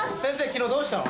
昨日どうしたの？